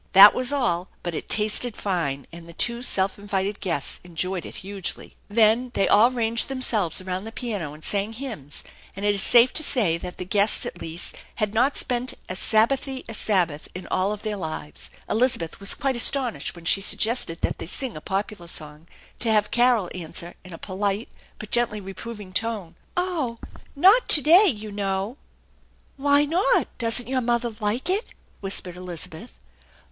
That was all, but it tasted fine, and the two self invited guests enjoyed it hugely. Then 152 THE ENCHANTED BARN they all ranged themselves around the piano and sang bymns, and it is safe to say that the guests at least had not spent as "Sabbathy" a Sabbath in all their lives. Elizabeth was quite astonished when she suggested that they sing a popular song to have Carol answer in a polite but gently reproving tone, " Oh, not to day, you know." "Why not? Doesn't your mother like it?" whispered Elizabeth.